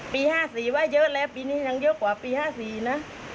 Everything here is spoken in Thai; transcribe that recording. ๕๔ว่าเยอะแล้วปีนี้ยังเยอะกว่าปี๕๔นะ